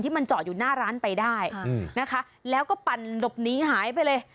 มันจอดอยู่หน้าร้านไปได้นะคะแล้วก็ปั่นหลบหนีหายไปเลย